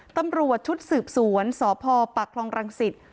ตำรวจชุดสืบสวนสพปากคลองรังสิต